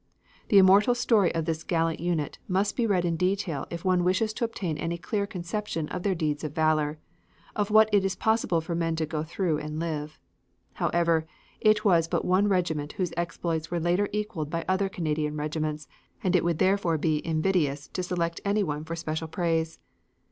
The immortal story of this gallant unit must be read in detail if one wishes to obtain any clear conception of their deeds of valor of what it is possible for man to go through and live. However, it was but one regiment whose exploits were later equaled by other Canadian regiments and it would therefore be invidious to select anyone for special praise.